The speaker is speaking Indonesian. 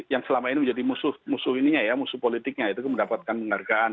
yang selama ini menjadi musuh politiknya itu mendapatkan penghargaan